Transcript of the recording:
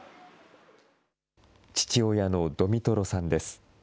父親のドミトロさんです。